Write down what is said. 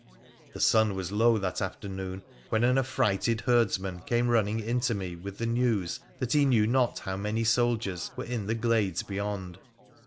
The sun was low that afternoon when an affrighted herds man came running in to me with the news that he knew not how many soldiers were in the glades beyond.